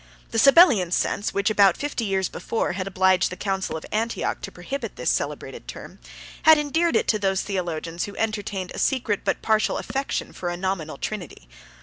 The Sabellian sense, which, about fifty years before, had obliged the council of Antioch 57 to prohibit this celebrated term, had endeared it to those theologians who entertained a secret but partial affection for a nominal Trinity.